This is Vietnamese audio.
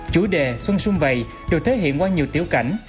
chủ đề xuân xuân vậy được thể hiện qua nhiều tiểu cảnh